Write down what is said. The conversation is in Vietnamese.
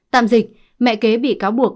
tạm dịch mẹ kế bị cáo buộc